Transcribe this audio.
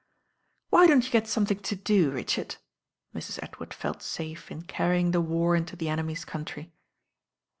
"Why don't you get tomething to do, Richard?" Mrs. Edward felt tafe in carrying the war into the ^nemyt country.